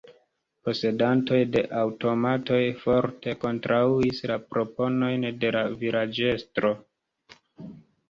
Posedantoj de aŭtomatoj forte kontraŭis la proponojn de la vilaĝestro.